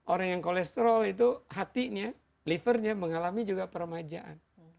orang yang kolesterol itu hatinya livernya mengalami juga peremajaan